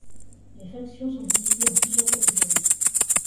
Les factions sont divisées en plusieurs catégories.